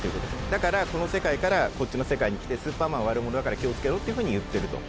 だからこの世界からこっちの世界に来てスーパーマンは悪者だから気を付けろっていうふうに言ってると。